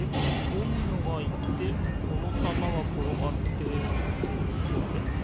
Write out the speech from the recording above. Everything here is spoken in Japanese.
ドミノがいってこのたまがころがってってあれ？